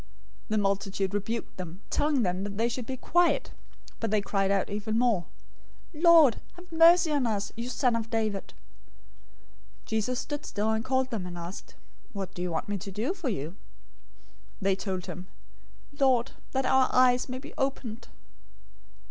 020:031 The multitude rebuked them, telling them that they should be quiet, but they cried out even more, "Lord, have mercy on us, you son of David!" 020:032 Jesus stood still, and called them, and asked, "What do you want me to do for you?" 020:033 They told him, "Lord, that our eyes may be opened."